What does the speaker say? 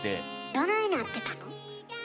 どないなってたの？